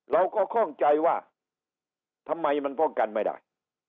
เราก็คล่องใจว่าทำไมมันพ่อกันไม่ได้